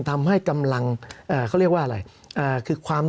สำหรับกำลังการผลิตหน้ากากอนามัย